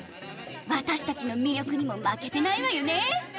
私たちの魅力にも負けてないわよね！